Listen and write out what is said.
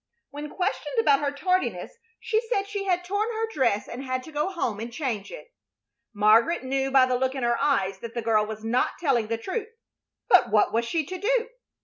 When questioned about her tardiness she said she had torn her dress and had to go home and change it. Margaret knew by the look in her eyes that the girl was not telling the truth, but what was she to do?